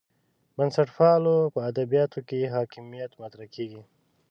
بنسټپالو په ادبیاتو کې حاکمیت مطرح کېږي.